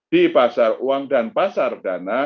di pasar uang dan pasar dana